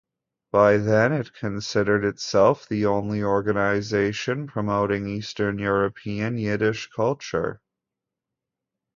By then, it considered itself the only organization promoting Eastern European Yiddish culture.